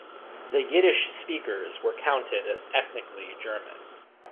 The Yiddish speakers were counted as ethnically German.